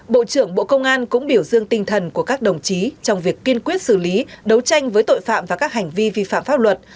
bộ trưởng bộ công an cũng biểu dương tinh thần của các đồng chí trong việc kiên quyết xử lý đấu tranh với tội phạm và các hành vi vi phạm pháp luật